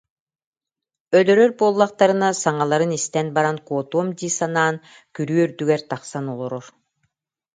Өлөрөр буоллахтарына саҥаларын истэн баран куотуом дии санаан күрүө үрдүгэр тахсан олорор